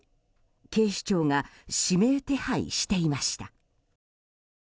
警視庁が指名手配していました。